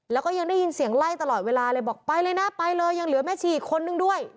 แล้วก็ยังได้ยินเสียงไล่ตลอดเวลาเลยบอกไปเลยนะไปเลยยังเหลือแม่ชีอีกคนนึงด้วย